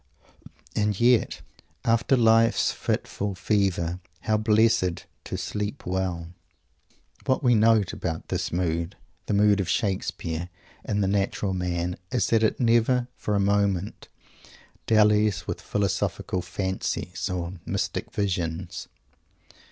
and yet, "after life's fitful fever," how blessed to "sleep well!" What we note about this mood the mood of Shakespeare and the natural man is that it never for a moment dallies with philosophic fancies or mystic visions.